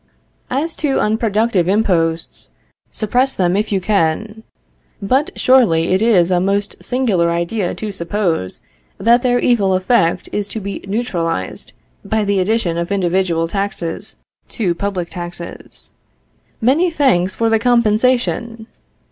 As to unproductive imposts, suppress them if you can; but surely it is a most singular idea to suppose, that their evil effect is to be neutralized by the addition of individual taxes to public taxes. Many thanks for the compensation!